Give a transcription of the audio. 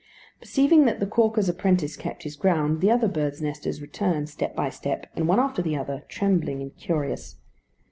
Perceiving that the caulker's apprentice kept his ground, the other birds' nesters returned, step by step, and one after the other, trembling and curious.